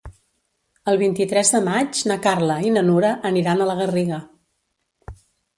El vint-i-tres de maig na Carla i na Nura aniran a la Garriga.